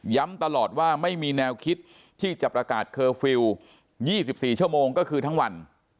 ตลอดว่าไม่มีแนวคิดที่จะประกาศเคอร์ฟิลล์๒๔ชั่วโมงก็คือทั้งวัน